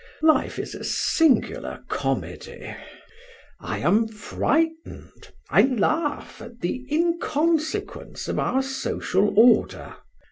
Life is a singular comedy. I am frightened, I laugh at the inconsequence of our social order.